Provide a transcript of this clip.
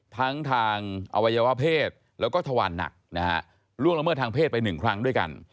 ทั้งทางอวัยวะเพศแล้วก็ทวารหนักนะฮะล่วงละเมิดทางเพศไป๑ครั้งด้วยกัน